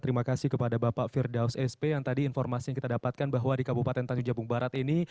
terima kasih kepada bapak firdaus sp yang tadi informasi yang kita dapatkan bahwa di kabupaten tanjung jabung barat ini